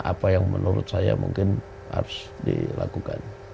apa yang menurut saya mungkin harus dilakukan